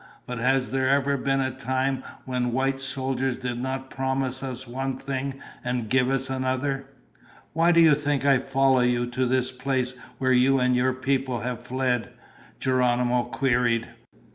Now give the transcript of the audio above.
But has there ever been a time when white soldiers did not promise us one thing and give us another?" "Why do you think I followed you to this place where you and your people have fled?" Geronimo queried.